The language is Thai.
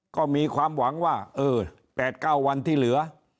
ก็มีความหวังว่าเออ๘๙วันที่เหลือ